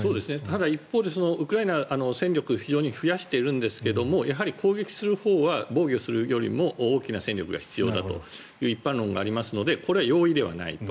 ただ一方でウクライナ、戦力非常に増やしているんですが攻撃するほうは、防御するよりも大きな戦力が必要だという一般論がありますのでこれは容易ではないと。